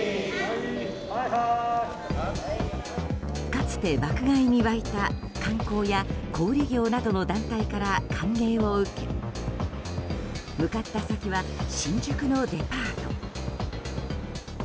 かつて爆買いに沸いた観光や小売業などの団体から歓迎を受け向かった先は新宿のデパート。